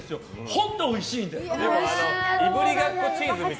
本当、おいしいんで。